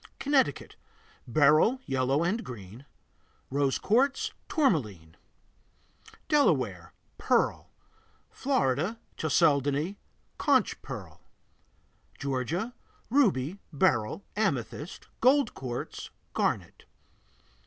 Connecticut Beryl, yellow and green; rose quartz, tourmaline Delaware Pearl. Florida Chalcedony, conch pearl. Georgia Ruby, beryl, amethyst, gold quartz, garnet.